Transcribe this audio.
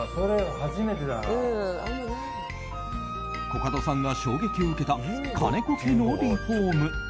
コカドさんが衝撃を受けた金子家のリフォーム。